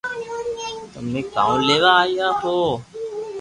تمي ڪاؤ ليوا آيا ھون